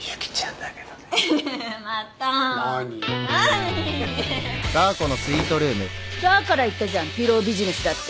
だから言ったじゃんピロービジネスだって。